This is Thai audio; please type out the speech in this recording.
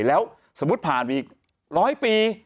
แล้วสมมุติผ่านไปอีก๑๐๐ปี